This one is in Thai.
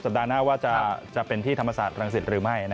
ปัดหน้าว่าจะเป็นที่ธรรมศาสตรังสิตหรือไม่